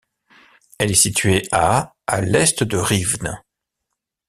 Elle est située à à l'est de Rivne.